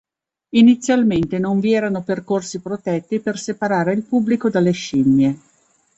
Inizialmente, non vi erano percorsi protetti per separare il pubblico dalle scimmie.